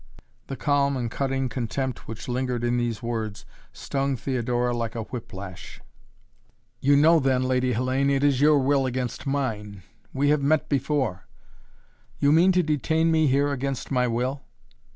The calm and cutting contempt which lingered in these words stung Theodora like a whip lash. "You know then, Lady Hellayne, it is your will against mine! We have met before!" "You mean to detain me here, against my will?"